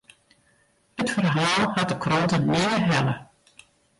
It ferhaal hat de krante nea helle.